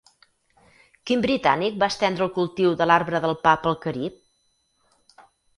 Quin britànic va estendre el cultiu de l'arbre del pa pel Carib?